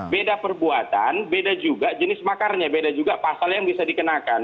beda perbuatan beda juga jenis makarnya beda juga pasal yang bisa dikenakan